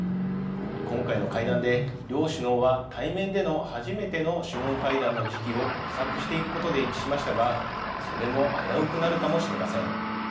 今回の会談で、両首脳は対面での初めての首脳会談の時期を模索していくことで一致しましたがそれも危うくなるかもしれません。